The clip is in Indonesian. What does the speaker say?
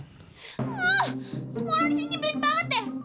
nggah semua orang disini bener banget deh